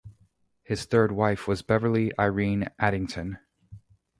His third wife was Beverly Irene Addington.